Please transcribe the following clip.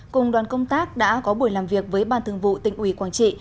cùng đoàn công tác đã có buổi làm việc với ban thường vụ tỉnh ủy quảng trị